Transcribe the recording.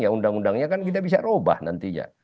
ya undang undangnya kan kita bisa ubah nantinya